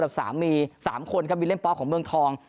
อันดับ๓มี๓คนก็มีเล่นป๊อกของเมืองทอง